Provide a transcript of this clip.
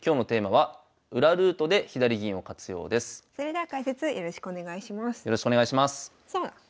はい。